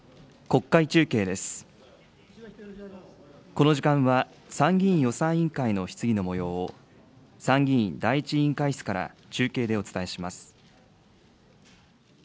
この時間は参議院予算委員会の質疑のもようを、参議院第１委員会室から中継でお伝えします。